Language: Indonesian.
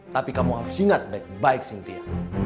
tapi kamu harus ingat baik baik sintia